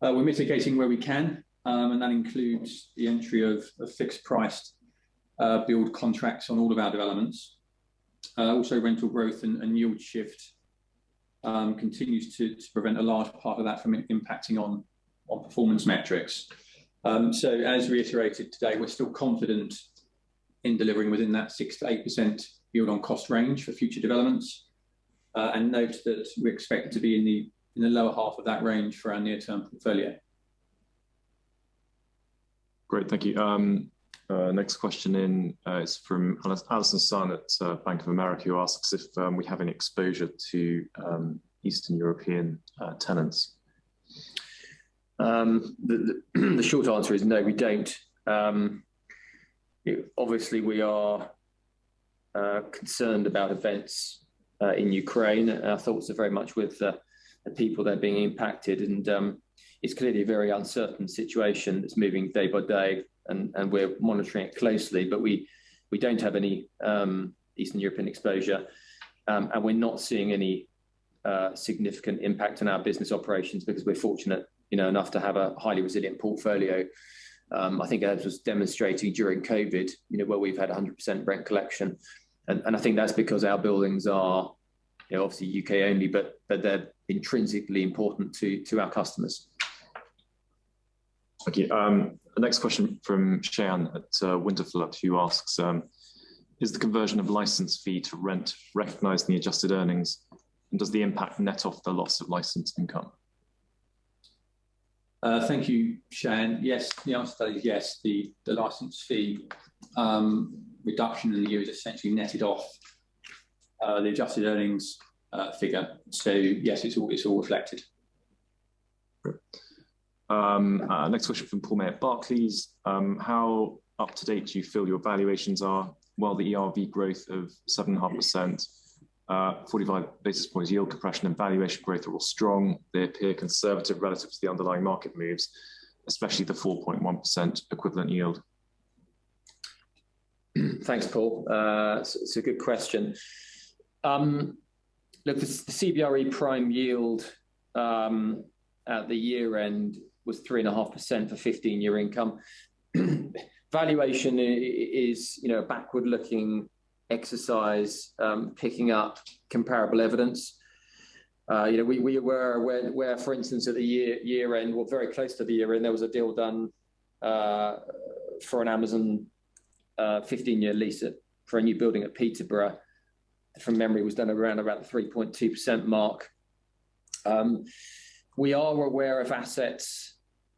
We're mitigating where we can, and that includes the entry of a fixed price build contracts on all of our developments. Also rental growth and yield shift continues to prevent a large part of that from impacting on performance metrics. As reiterated today, we're still confident in delivering within that 6%-8% yield on cost range for future developments. Note that we expect to be in the lower half of that range for our near-term portfolio. Great. Thank you. Next question is from Allison Sun at Bank of America, who asks if we have any exposure to Eastern European tenants. The short answer is no, we don't. Obviously, we are concerned about events in Ukraine. Our thoughts are very much with the people that are being impacted, and it's clearly a very uncertain situation that's moving day by day and we're monitoring it closely. We don't have any Eastern European exposure. We're not seeing any significant impact on our business operations because we're fortunate, you know, enough to have a highly resilient portfolio. I think as was demonstrated during COVID, you know, where we've had 100% rent collection. I think that's because our buildings are, you know, obviously U.K. only, but they're intrinsically important to our customers. Okay. The next question from Shayan Ratnasingam at Winterflood, who asks: Is the conversion of license fee to rent recognized in the adjusted earnings? And does the impact net off the loss of license income? Thank you, Shayan. Yes. The answer to that is yes. The license fee reduction in the year is essentially netted off the adjusted earnings figure. Yes, it's all reflected. Great. Next question from Paul May at Barclays. How up to date do you feel your valuations are? While the ERV growth of 7.5%, 45 basis points yield compression and valuation growth are all strong, they appear conservative relative to the underlying market moves, especially the 4.1% equivalent yield. Thanks, Paul. It's a good question. Look, the CBRE prime yield at the year-end was 3.5% for 15-year income. Valuation is, you know, a backward-looking exercise, picking up comparable evidence. You know, we were aware where, for instance, at the year-end, well, very close to the year-end, there was a deal done for an Amazon 15-year lease for a new building at Peterborough. From memory, it was done around about the 3.2% mark. We are aware of assets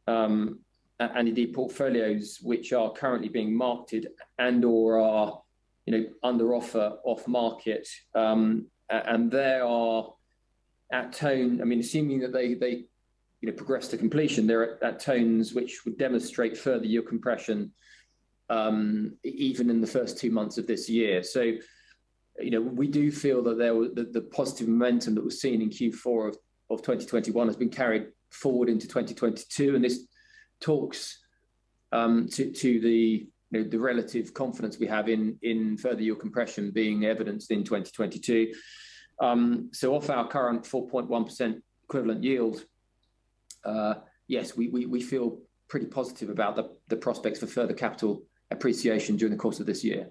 and indeed portfolios which are currently being marketed and/or are, you know, under offer off market. And they are at tone. I mean, assuming that they, you know, progress to completion, they're at rents which would demonstrate further yield compression even in the first two months of this year. You know, we do feel that the positive momentum that was seen in Q4 of 2021 has been carried forward into 2022, and this talks to the relative confidence we have in further yield compression being evidenced in 2022. Off our current 4.1% equivalent yield, yes, we feel pretty positive about the prospects for further capital appreciation during the course of this year.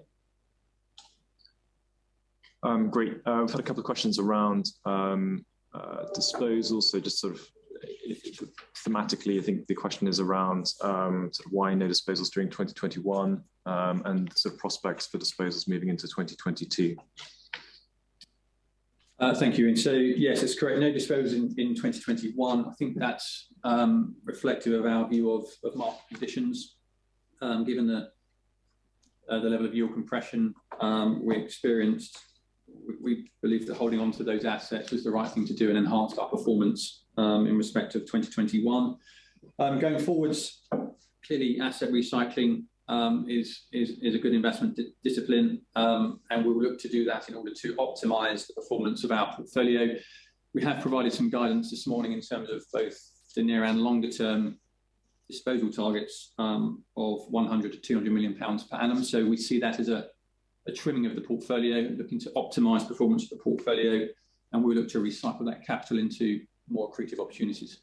Great. We've had a couple of questions around disposals. Just sort of thematically, I think the question is around sort of why no disposals during 2021, and sort of prospects for disposals moving into 2022. Thank you. Yes, it's correct. No disposals in 2021. I think that's reflective of our view of market conditions, given the level of yield compression we experienced. We believe that holding on to those assets was the right thing to do and enhanced our performance in respect of 2021. Going forward, clearly asset recycling is a good investment discipline, and we'll look to do that in order to optimize the performance of our portfolio. We have provided some guidance this morning in terms of both the near and longer term disposal targets of 100 million-200 million pounds per annum. We see that as a trimming of the portfolio, looking to optimize performance of the portfolio, and we look to recycle that capital into more accretive opportunities.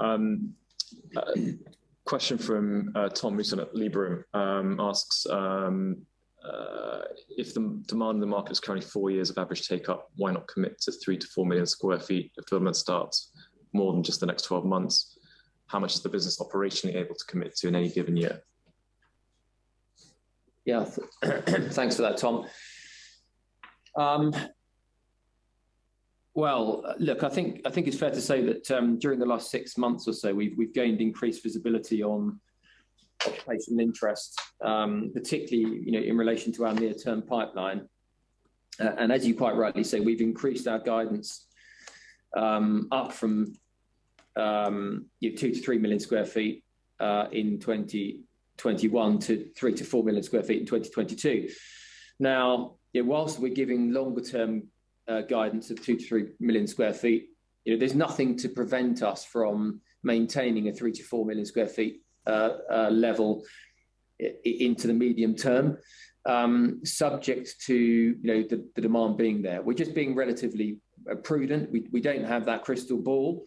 A question from Tom Mursell at Liberum asks if the demand in the market is currently four years of average take-up, why not commit to 3 million-4 million sq ft of fulfillment starts more than just the next 12 months? How much is the business operationally able to commit to in any given year? Yeah. Thanks for that, Tom. Well, look, I think it's fair to say that during the last six months or so, we've gained increased visibility on occupational interest, particularly, you know, in relation to our near-term pipeline. As you quite rightly say, we've increased our guidance up from, yeah, 2 million-3 million sq ft in 2021 to 3 million-4 million sq ft in 2022. Now, yeah, whilst we're giving longer term guidance of 2 million-3 million sq ft, you know, there's nothing to prevent us from maintaining a 3 million-4 million sq ft level into the medium term, subject to, you know, the demand being there. We're just being relatively prudent. We don't have that crystal ball.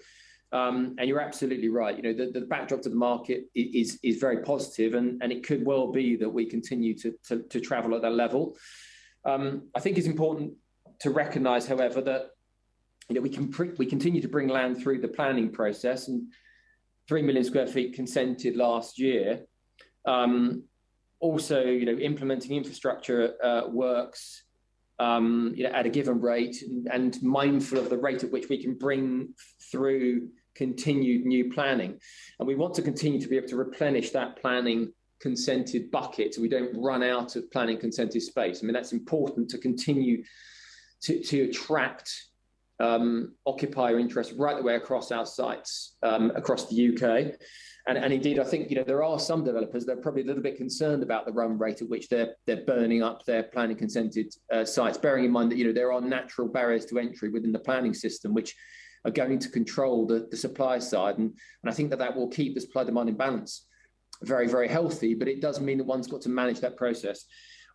You're absolutely right. You know, the backdrop to the market is very positive and it could well be that we continue to travel at that level. I think it's important to recognize, however, that you know, we continue to bring land through the planning process, and 3 million sq ft consented last year. Also, you know, implementing infrastructure works you know, at a given rate and mindful of the rate at which we can bring through continued new planning. We want to continue to be able to replenish that planning consented bucket, so we don't run out of planning consented space. I mean, that's important to continue to attract occupier interest right the way across our sites across the U.K. Indeed, I think, you know, there are some developers that are probably a little bit concerned about the run rate at which they're burning up their planning consented sites. Bearing in mind that, you know, there are natural barriers to entry within the planning system, which are going to control the supply side. I think that will keep the supply demand in balance very healthy. It does mean that one's got to manage that process.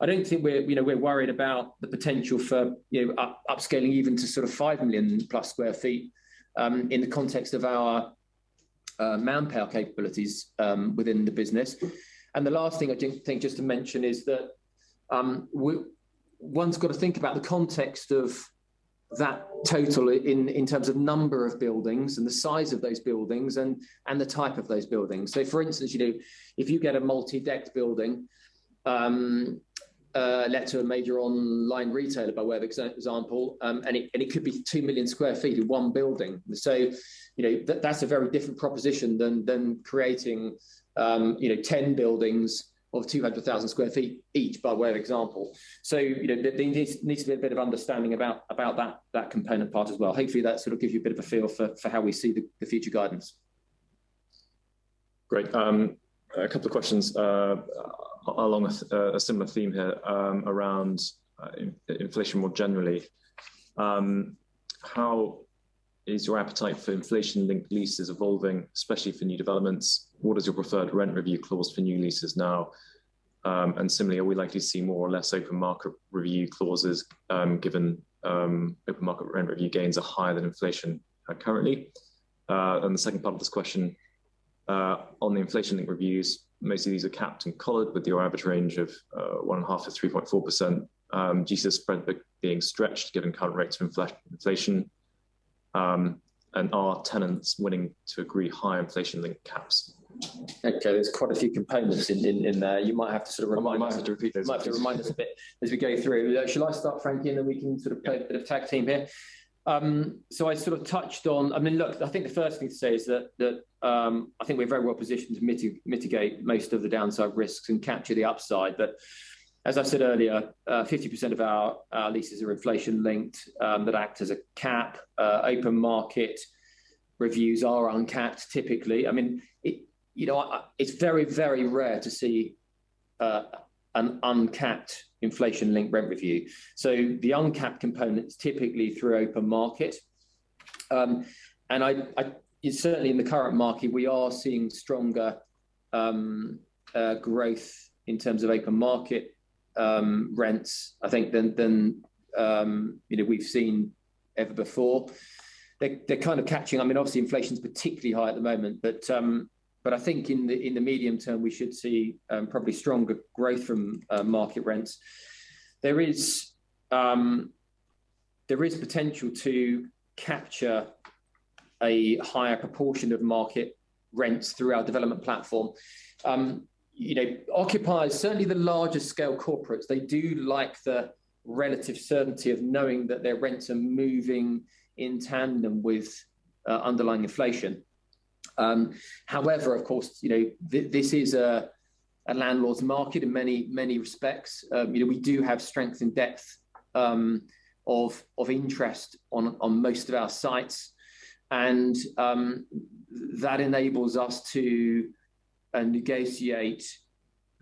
I don't think we're, you know, we're worried about the potential for, you know, upscaling even to sort of 5+ million sq ft in the context of our manpower capabilities within the business. The last thing I do think just to mention is that one's got to think about the context of that total in terms of number of buildings and the size of those buildings and the type of those buildings. For instance, you know, if you get a multi-decked building let to a major online retailer by way of example, and it could be 2 million sq ft in one building. You know, that's a very different proposition than creating 10 buildings of 200,000 sq ft each, by way of example. You know, there needs to be a bit of understanding about that component part as well. Hopefully, that sort of gives you a bit of a feel for how we see the future guidance. Great. A couple of questions along a similar theme here around inflation more generally. How is your appetite for inflation-linked leases evolving, especially for new developments? What is your preferred rent review clause for new leases now? Similarly, are we likely to see more or less open market review clauses, given open market rent review gains are higher than inflation currently? The second part of this question on the inflation linked reviews, most of these are capped and collared with your average range of 1.5%-3.4%, do you see the spread being stretched given current rates of inflation? Are tenants willing to agree higher inflation linked caps? Okay. There's quite a few components in there. You might have to sort of remind us. I might have to repeat those questions. You might have to remind us a bit as we go through. Shall I start, Frankie, and then we can sort of play a bit of tag team here? I sort of touched on. I mean, look, I think the first thing to say is that I think we're very well positioned to mitigate most of the downside risks and capture the upside. As I said earlier, 50% of our leases are inflation linked that act as a cap. Open market reviews are uncapped typically. I mean, you know, it's very, very rare to see an uncapped inflation-linked rent review. The uncapped component is typically through open market. Certainly in the current market, we are seeing stronger growth in terms of open market rents, I think than you know, we've seen ever before. They're kind of catching. I mean, obviously inflation's particularly high at the moment, but I think in the medium term, we should see probably stronger growth from market rents. There is potential to capture a higher proportion of market rents through our development platform. You know, occupiers, certainly the larger scale corporates, they do like the relative certainty of knowing that their rents are moving in tandem with underlying inflation. However, of course, you know, this is a landlord's market in many respects. You know, we do have strength in depth of interest on most of our sites, and that enables us to negotiate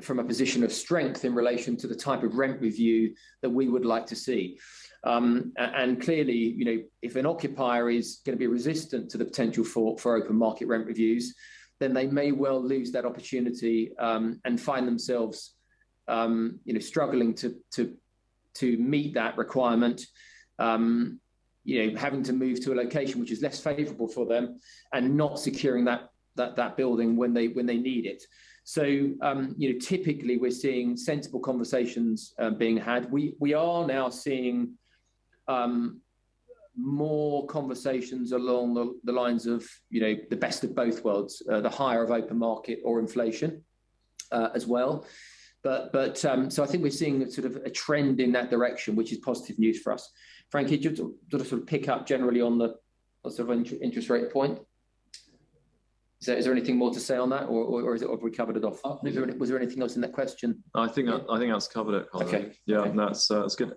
from a position of strength in relation to the type of rent review that we would like to see. And clearly, you know, if an occupier is gonna be resistant to the potential for open market rent reviews, then they may well lose that opportunity, and find themselves, you know, struggling to meet that requirement, you know, having to move to a location which is less favorable for them and not securing that building when they need it. You know, typically we're seeing sensible conversations being had. We are now seeing more conversations along the lines of, you know, the best of both worlds, the higher of open market or inflation, as well. I think we're seeing sort of a trend in that direction, which is positive news for us. Frankie, could you sort of pick up generally on the sort of interest rate point? Is there anything more to say on that, or is it? Have we covered it off? No. Was there anything else in that question? No, I think that's covered it, Colin. Okay. Yeah. No, that's good.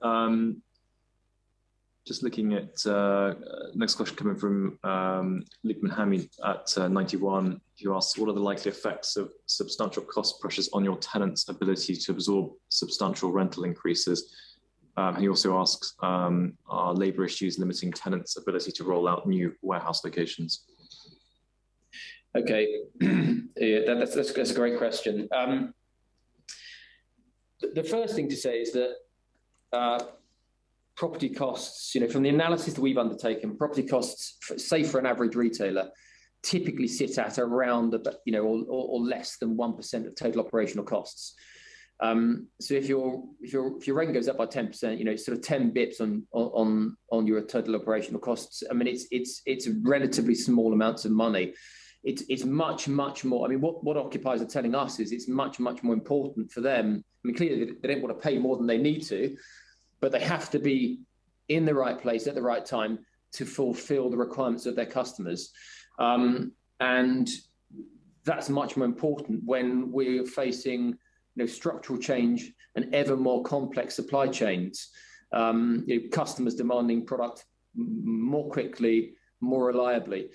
Just looking at next question coming from Luqman Hamid at Ninety One, who asks, "What are the likely effects of substantial cost pressures on your tenants' ability to absorb substantial rental increases?" He also asks, "Are labor issues limiting tenants' ability to roll out new warehouse locations? Okay. Yeah, that's a great question. The first thing to say is that property costs, you know, from the analysis that we've undertaken, property costs, say for an average retailer, typically sit at around or less than 1% of total operational costs. So if your rent goes up by 10%, you know, sort of 10 basis points on your total operational costs, I mean, it's relatively small amounts of money. It's much more—I mean, what occupiers are telling us is it's much more important for them, I mean, clearly they don't wanna pay more than they need to, but they have to be in the right place at the right time to fulfill the requirements of their customers. That's much more important when we're facing, you know, structural change and ever more complex supply chains, you know, customers demanding product more quickly, more reliably.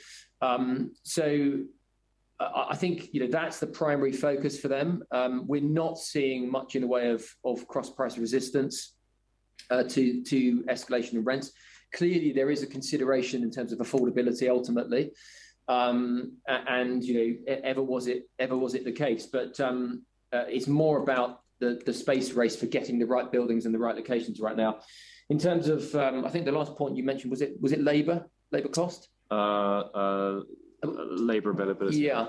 I think, you know, that's the primary focus for them. We're not seeing much in the way of cross-price resistance to escalation of rents. Clearly, there is a consideration in terms of affordability ultimately, and, you know, it ever was the case. It's more about the space race for getting the right buildings in the right locations right now. In terms of, I think the last point you mentioned, was it labor cost? Labor availability. Yeah.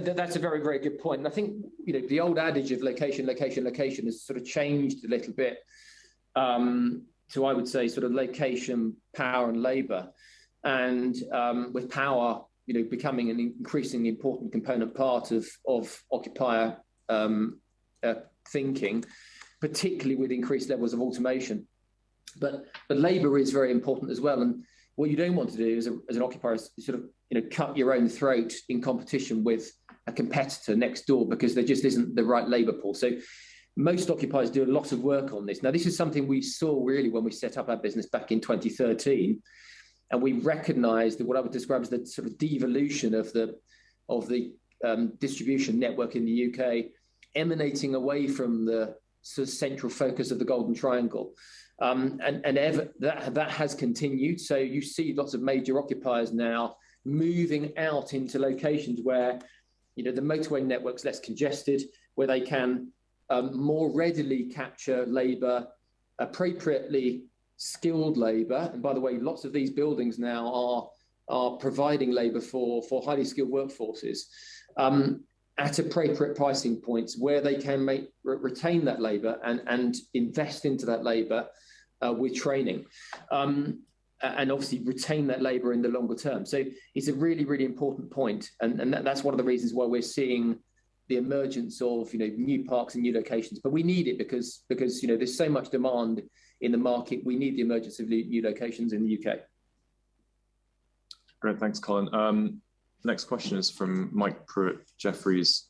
That's a very, very good point. I think, you know, the old adage of location, location has sort of changed a little bit, to I would say sort of location, power, and labor, and, with power, you know, becoming an increasingly important component part of occupier thinking, particularly with increased levels of automation. But labor is very important as well, and what you don't want to do as an occupier is sort of, you know, cut your own throat in competition with a competitor next door because there just isn't the right labor pool. Most occupiers do a lot of work on this. Now, this is something we saw really when we set up our business back in 2013, and we recognized what I would describe as the sort of devolution of the distribution network in the U.K. emanating away from the sort of central focus of the Golden Triangle. That has continued, so you see lots of major occupiers now moving out into locations where, you know, the motorway network's less congested, where they can more readily capture labor, appropriately skilled labor. By the way, lots of these buildings now are providing labor for highly skilled workforces at appropriate pricing points where they can retain that labor and invest into that labor with training. Obviously retain that labor in the longer term. It's a really important point, and that's one of the reasons why we're seeing the emergence of, you know, new parks and new locations. We need it because, you know, there's so much demand in the market, we need the emergence of the new locations in the U.K. Great. Thanks, Colin. Next question is from Mike Prew, Jefferies.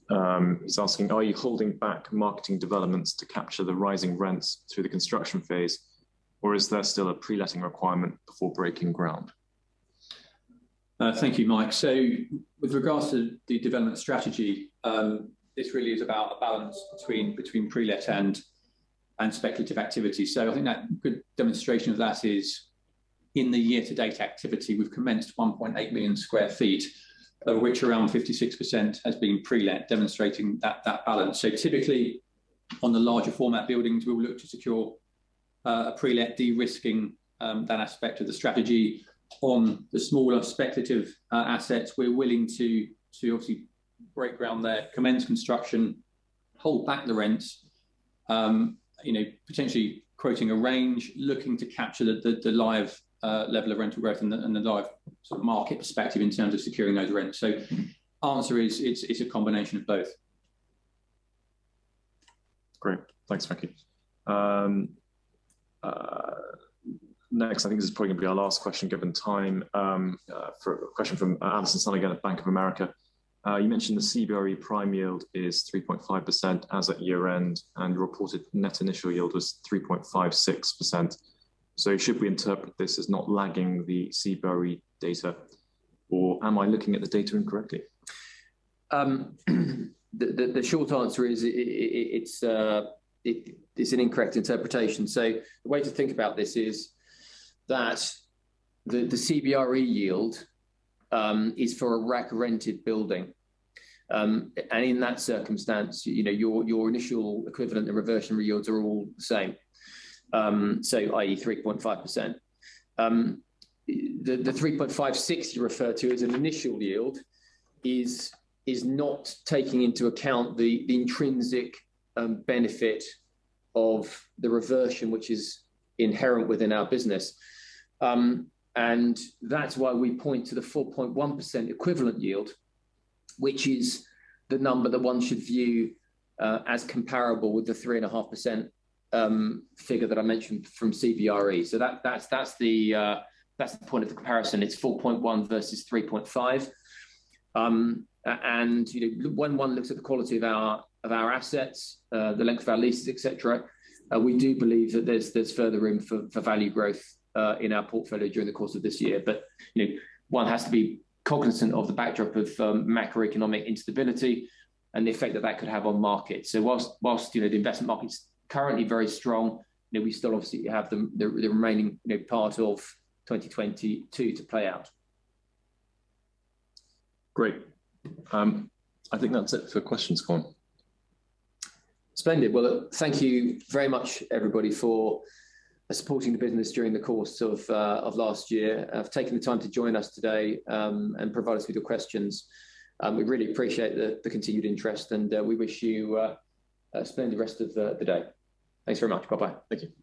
He's asking, "Are you holding back marketing developments to capture the rising rents through the construction phase, or is there still a pre-letting requirement before breaking ground? Thank you, Mike. With regards to the development strategy, this really is about a balance between pre-let and speculative activity. I think that good demonstration of that is in the year to date activity, we've commenced 1.8 million sq ft, of which around 56% has been pre-let, demonstrating that balance. Typically on the larger format buildings, we will look to secure a pre-let de-risking that aspect of the strategy. On the smaller speculative assets, we're willing to obviously break ground there, commence construction, hold back the rents, you know, potentially quoting a range, looking to capture the live level of rental growth and the live sort of market perspective in terms of securing those rents. Answer is it's a combination of both. Great. Thanks, Frankie. Next, I think this is probably gonna be our last question given time. For a question from Allison Sun again at Bank of America. You mentioned the CBRE prime yield is 3.5% as at year-end, and your reported net initial yield was 3.56%. Should we interpret this as not lagging the CBRE data, or am I looking at the data incorrectly? The short answer is, it is an incorrect interpretation. The way to think about this is that the CBRE yield is for a rack-rented building. In that circumstance, you know, your initial equivalent and reversion yields are all the same, i.e. 3.5%. The 3.56% you refer to as an initial yield is not taking into account the intrinsic benefit of the reversion, which is inherent within our business. That's why we point to the 4.1% equivalent yield, which is the number that one should view as comparable with the 3.5% figure that I mentioned from CBRE. That's the point of the comparison. It's 4.1% versus 3.5%. You know, when one looks at the quality of our assets, the length of our leases, et cetera, we do believe that there's further room for value growth in our portfolio during the course of this year. You know, one has to be cognizant of the backdrop of macroeconomic instability and the effect that could have on markets. While, you know, the investment market's currently very strong, you know, we still obviously have the remaining part of 2022 to play out. Great. I think that's it for questions, Colin. Splendid. Well, thank you very much everybody for supporting the business during the course of last year, of taking the time to join us today, and provide us with your questions. We really appreciate the continued interest, and we wish you a splendid rest of the day. Thanks very much. Bye-bye. Thank you.